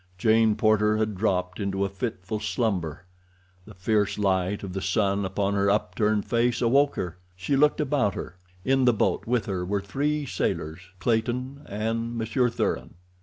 Jane Porter had dropped into a fitful slumber—the fierce light of the sun upon her upturned face awoke her. She looked about her. In the boat with her were three sailors, Clayton, and Monsieur Thuran.